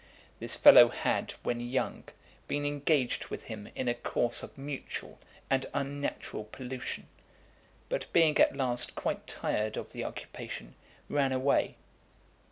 This fellow had, when young, been engaged with him in a course of mutual and unnatural pollution, but, being at last quite tired of the occupation, ran away.